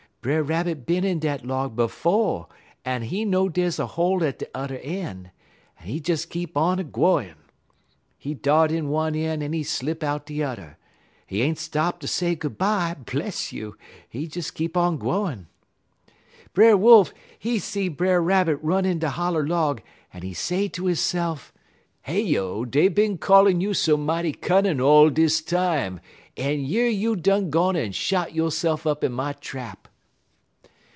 "Brer Rabbit bin in dat log befo' en he know dey's a hole at de t'er een', en he des keep on a gwine. He dart in one een' en he slip out de udder. He ain't stop ter say goo' bye; bless you! he des keep on gwine. "Brer Wolf, he see Brer Rabbit run in de holler log, en he say ter hisse'f: "'Heyo, dey bin callin' you so mighty cunnin' all dis time, en yer you done gone en shot yo'se'f up in my trap.'